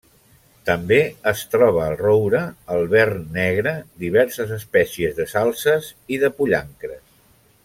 També es troba el roure, el vern negre, diverses espècies de salzes i de pollancres.